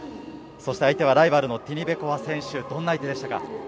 そして相手はライバルのティニベコワ選手、どんな相手でしたか。